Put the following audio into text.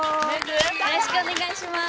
よろしくお願いします。